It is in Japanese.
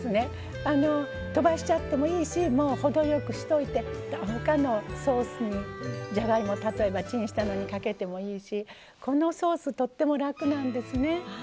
とばしちゃってもいいし程よくしておいてほかのソースにじゃがいもをチンしたのにかけてもいいしこのソースとっても楽なんですね。